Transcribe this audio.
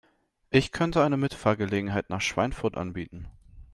Ich könnte eine Mitfahrgelegenheit nach Schweinfurt anbieten